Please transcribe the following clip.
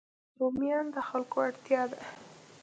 رومیان د خلکو اړتیا ده